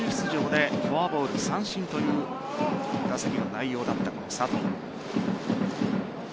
フォアボール三振という打席の内容だった佐藤。